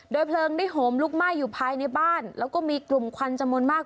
เพลิงได้โหมลุกไหม้อยู่ภายในบ้านแล้วก็มีกลุ่มควันจำนวนมาก